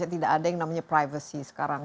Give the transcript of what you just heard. tidak ada yang namanya privacy sekarang